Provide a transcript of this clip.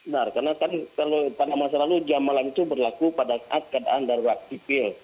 nah karena pada masa lalu jam malam itu berlaku pada saat keadaan darurat sipil